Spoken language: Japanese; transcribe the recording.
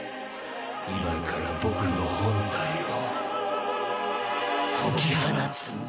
今から僕の本体を解き放つんだ。